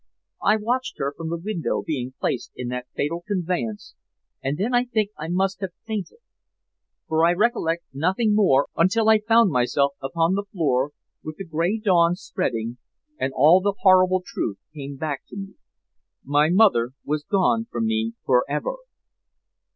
I watched her from the window being placed in that fatal conveyance, and then I think I must have fainted, for I recollect nothing more until I found myself upon the floor, with the gray dawn spreading, and all the horrible truth came back to me. My mother was gone from me for ever!